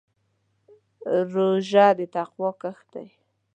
روژه د تقوا کښت دی.